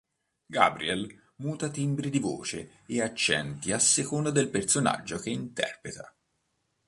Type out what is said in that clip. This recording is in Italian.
Gabriel muta timbri di voce e accenti a seconda del personaggio che interpreta.